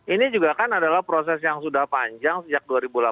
ini juga kan adalah proses yang sudah panjang sejak dua ribu delapan belas